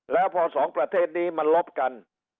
แล้วพอสองประเทศนี้มันลบกัน